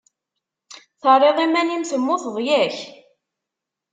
Terriḍ iman-im temmuteḍ yak?